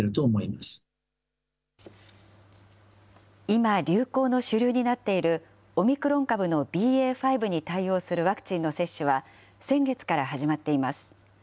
今、流行の主流になっているオミクロン株のＢＡ．５に対応するワクチンの接種は先月から始まっています。